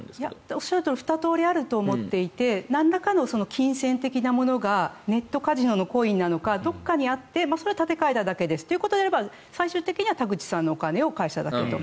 おっしゃるとおり２通りあると思っていてなんらかの金銭的なものがネットカジノのコインなのかどこかにあって、それを立て替えただけですというなら最終的には田口さんのお金を返すだけと。